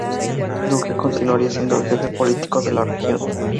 Duque continuaría siendo el "jefe político de la región".